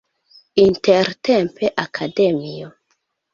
Intertempe Akademio.